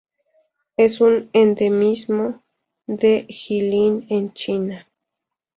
Es un endemismo de Jilin en China.